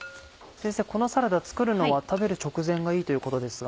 このサラダ作るのは食べる直前がいいということですが。